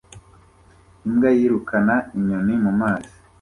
imbwa yirukana inyoni mumazi